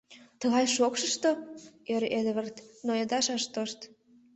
Тыгай шокшышто?..” — ӧрӧ Эдвард, но йодаш ыш тошт.